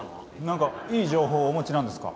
なんかいい情報をお持ちなんですか？